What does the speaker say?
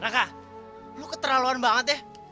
raka lo keterlaluan banget ya